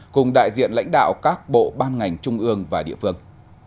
cùng đại diện lãnh đạo các bộ ban ngành trung ương và địa phương